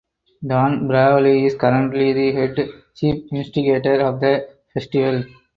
Dan Brawley is currently the head ("chief instigator") of the festival.